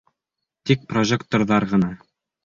Тик прожекторҙар ғына...